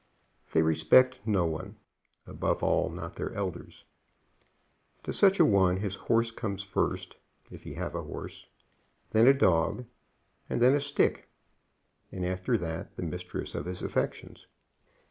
They respect no one; above all, not their elders. To such a one his horse comes first, if he have a horse; then a dog; and then a stick; and after that the mistress of his affections.